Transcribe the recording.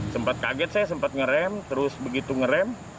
sempat kaget saya sempat ngerem terus begitu ngerem